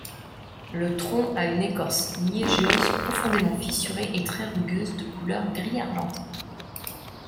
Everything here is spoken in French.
Le tronc a une écorce liégeuse profondément fissurée et très rugueuse de couleur gris-argenté.